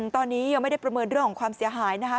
ตอนนี้ยังไม่ได้ประเมินเรื่องของความเสียหายนะคะ